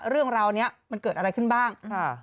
เรื่องราวนี้มันเกิดอะไรขึ้นบ้าง